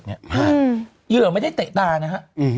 เหยื่อไม่ได้เตะตานะฮะ